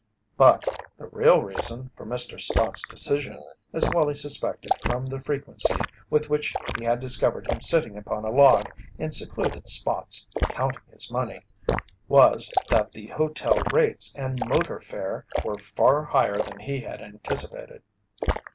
But the real reason for Mr. Stott's decision, as Wallie suspected from the frequency with which he had discovered him sitting upon a log in secluded spots counting his money, was that the hotel rates and motor fare were far higher then he had anticipated.